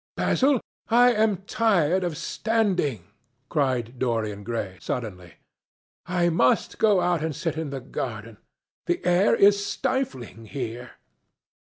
"Basil, I am tired of standing," cried Dorian Gray suddenly. "I must go out and sit in the garden. The air is stifling here."